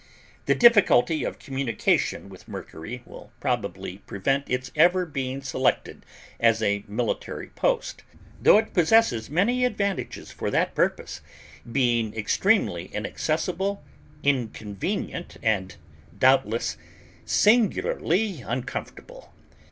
The difficulty of communication with Mercury will probably prevent its ever being selected as a military post; though it possesses many advantages for that purpose, being extremely inaccessible, inconvenient, and, doubtless, singularly uncomfortable.